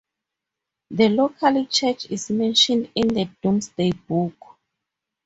The local church is mentioned in the "Domesday Book".